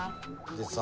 でさ